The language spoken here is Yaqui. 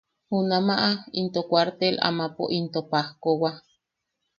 Junamaʼa into kuartel amapo into pajkowa.